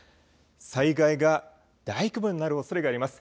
災害が大規模になるおそれがあります。